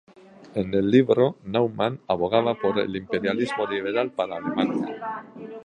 En el libro, Naumann abogaba por un "Imperialismo liberal" para Alemania.